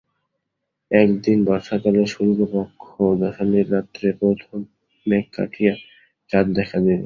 একদিন বর্ষাকালে শুক্লপক্ষ দশমীর রাত্রে প্রথম মেঘ কাটিয়া চাঁদ দেখা দিল।